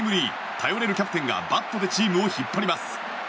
頼れるキャプテンがバットでチームを引っ張ります。